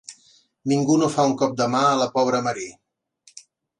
Ningú no fa un cop de mà a la pobra Marie.